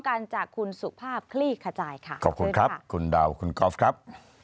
กันจากคุณสุภาพคลี่ขจายค่ะขอบคุณครับคุณดาวคุณกอล์ฟครับ